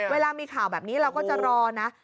เวลามีข่าวแบบนี้เราก็จะรอนะ